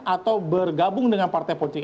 atau bergabung dengan partai politik